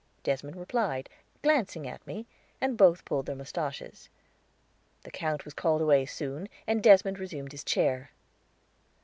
Desmond replied, glancing at me, and both pulled their mustaches. The Count was called away soon, and Desmond resumed his chair.